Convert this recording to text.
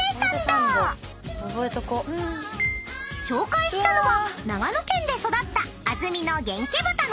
［紹介したのは長野県で育った］